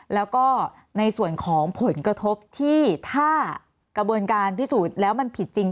แล้วก็ในส่วนของผลกระทบที่ถ้ากระบวนการพิสูจน์แล้วมันผิดจริง